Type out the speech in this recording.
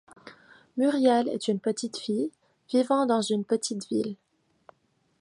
Muriel est une petite fille vivant dans une petite ville.